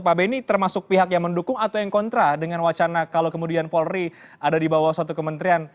pak benny termasuk pihak yang mendukung atau yang kontra dengan wacana kalau kemudian polri ada di bawah suatu kementerian